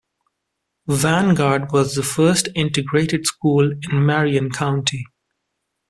Vanguard was the first integrated school in Marion County.